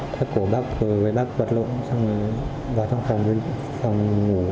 thất khổ bác với bác bật lộn xong rồi vào trong phòng ngủ